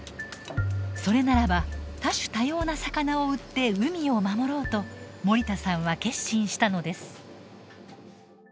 それならば多種多様な魚を売って海を守ろうと森田さんは決心したのです。